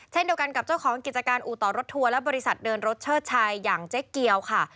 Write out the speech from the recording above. เช่นเดียวกันกับเจ้าของกิจการอู่ต่อรถทัวร์และบริษัทเดินรถเชิดชัยอย่างเจ๊เกียวค่ะ